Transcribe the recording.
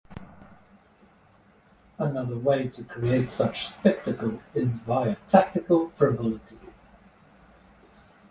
Another way to create such spectacle is via tactical frivolity.